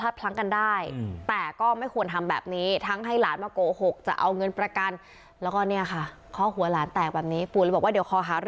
สมองมันเป็นสิบประจ้อนล่วงสมองเป็นสิบประต่ายสะบาล